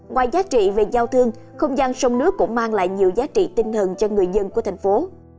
ngoài giá trị về giao thương không gian sông nước cũng mang lại nhiều giá trị tinh thần cho người dân của thành phố